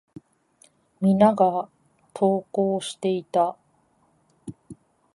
皆が登校していた。